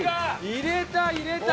入れた！